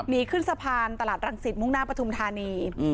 หนีขึ้นสะพานตลาดรังสิตมุ่งหน้าปฐุมธานี